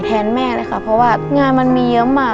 แม่เลยค่ะเพราะว่างานมันมีเยอะมาก